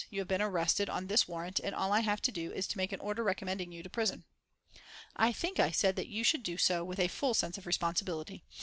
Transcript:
You have been arrested on this warrant and all I have to do is to make an order recommending you to prison." "I think" I said, "that you should do so, with a full sense of responsibility.